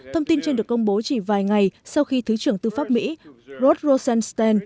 thông tin trên được công bố chỉ vài ngày sau khi thứ trưởng tư pháp mỹ rod rossenstein